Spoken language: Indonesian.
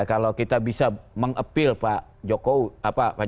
kalau kita bisa meng appeal pak jokowi